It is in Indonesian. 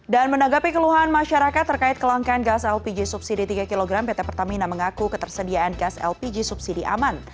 dan menanggapi keluhan masyarakat terkait kelangkaan gas lpg subsidi tiga kg pt pertamina mengaku ketersediaan gas lpg subsidi aman